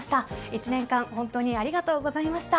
１年間本当にありがとうございました。